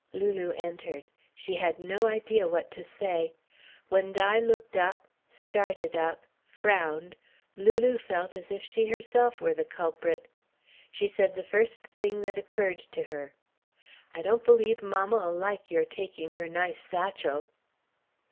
Lulu entered. She had no idea what to say. When Di looked up, started up, frowned, Lulu felt as if she herself were the culprit. She said the first thing that occurred to her: "I don't believe mamma'll like your taking her nice satchel."